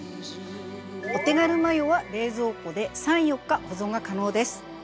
お手軽マヨは冷蔵庫で３４日保存が可能です！